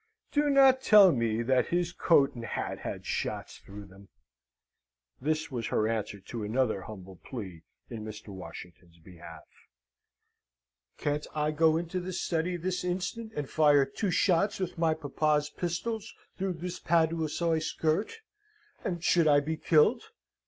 Do not tell me that his coat and hat had shots through them! (This was her answer to another humble plea in Mr. Washington's behalf.) Can't I go into the study this instant and fire two shots with my papa's pistols through this paduasoy skirt, and should I be killed?